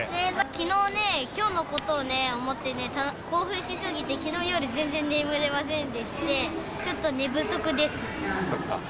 きのうね、きょうのことをね、思ってね、興奮しすぎて、きのう夜、全然眠れませんでして、ちょっと寝不足です。